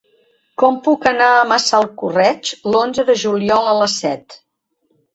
Com puc anar a Massalcoreig l'onze de juliol a les set?